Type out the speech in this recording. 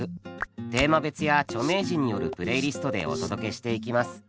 テーマ別や著名人によるプレイリストでお届けしていきます。